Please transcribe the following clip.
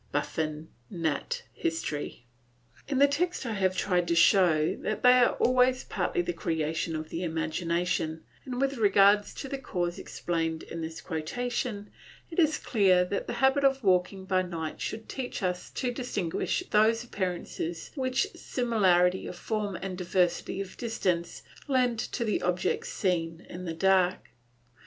Buffon, Nat. Hist. In the text I have tried to show that they are always partly the creation of the imagination, and with regard to the cause explained in this quotation, it is clear that the habit of walking by night should teach us to distinguish those appearances which similarity of form and diversity of distance lend to the objects seen in the dark.